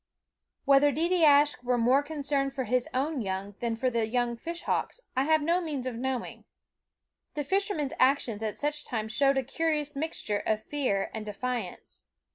Whether Deedeeaskh were more concerned for his own young than for the young fishhawks I have no means of knowing. The fishermen's actions at such times showed a curious mixture of fear and defiance.